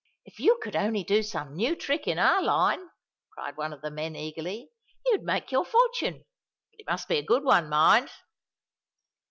"If you could only do some new trick in our line," cried one of the men, eagerly, "you'd make your fortune: but it must be a good one, mind."